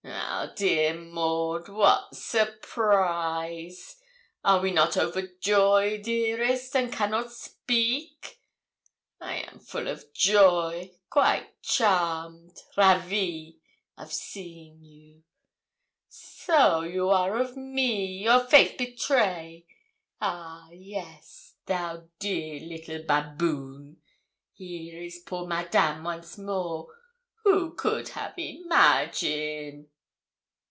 'Ah, dear Maud, what surprise! Are we not overjoy, dearest, and cannot speak? I am full of joy quite charmed ravie of seeing you. So are you of me, your face betray. Ah! yes, thou dear little baboon! here is poor Madame once more! Who could have imagine?'